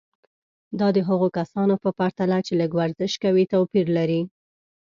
دا د هغو کسانو په پرتله چې لږ ورزش کوي توپیر لري.